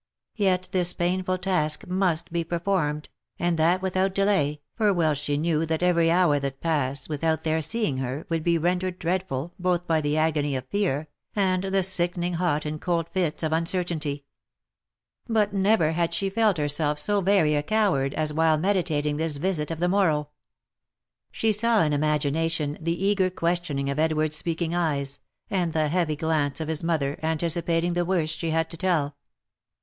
Yet this painful task must be performed, and that with out delay, for well she knew that every hour that passed without their seeing her, would be rendered dreadful, both by the agony of fear, and the sickening hot and cold fits of uncertainty. But never had she felt herself so very a coward as while meditating this visit of the morrow. She saw in imagination the eager questioning of Edward's speaking eyes, and the heavy glance of his mother, anticipating the worst she had to tell.